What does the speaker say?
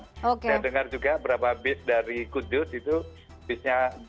saya dengar juga berapa bis dari kudus itu bisnya